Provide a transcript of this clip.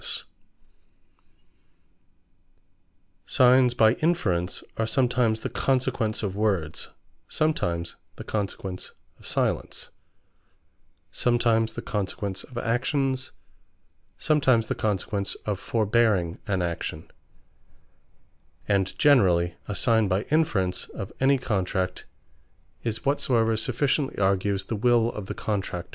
Signes Of Contract By Inference Signes by Inference, are sometimes the consequence of Words; sometimes the consequence of Silence; sometimes the consequence of Actions; sometimes the consequence of Forbearing an Action: and generally a signe by Inference, of any Contract, is whatsoever sufficiently argues the will of the Contractor.